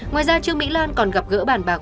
ngoài ra trương mỹ lan còn gặp gỡ bàn bạc